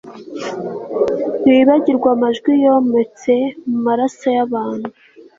Ntiwibagirwa amajwi yometse mumaraso yabantu